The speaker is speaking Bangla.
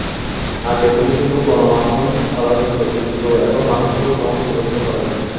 আগে তুমি শুধু গনমাধ্যমে কালারে ছিলে, কিন্তু এখন মানুষও তোমাকে পছন্দ করে না।